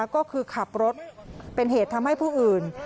ก็คือขับรถเป็นเหตุทำให้ผู้อื่น